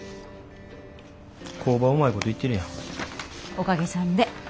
おかげさんで。